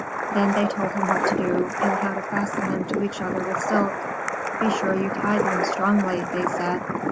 Then they told him what to do, and how to fasten them to each other with silk. "Be sure you tie them strongly," they said.